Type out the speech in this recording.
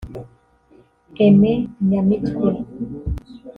Aime Nyamitwe